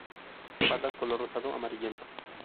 Patas color rosado amarillento.